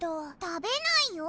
食べないよ！